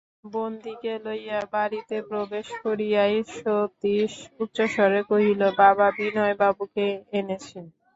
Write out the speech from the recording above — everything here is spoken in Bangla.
বন্দীকে লইয়া বাড়িতে প্রবেশ করিয়াই সতীশ উচ্চস্বরে কহিল, বাবা, বিনয়বাবুকে এনেছি।